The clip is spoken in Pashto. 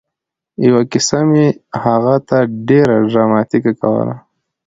یوه کیسه مې هغه ته ډېره ډراماتيکه کوله